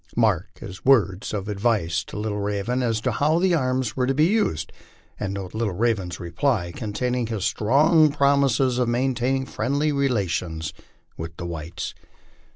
Mark his words of advice to Little Raven as to how the arms were to be used, and note Little Raven's reply containing his strong promises of maintaining friendly relations with the whites.